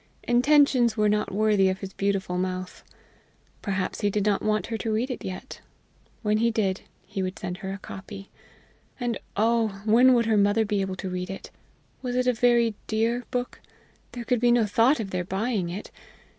Intentions were not worthy of his beautiful mouth! Perhaps he did not want her to read it yet. When he did, he would send her a copy. And, oh! when would her mother be able to read it? Was it a very dear book? There could be no thought of their buying it!